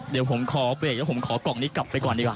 เดี๋ยวผมขอก็อัพเวชและผมขอกล่องนี้กลับไปก่อนดีกว่า